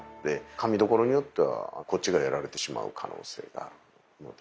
噛みどころによってはこっちがやられてしまう可能性があるので。